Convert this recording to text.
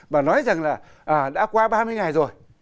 và nói rằng là đã qua ba mươi ngày rồi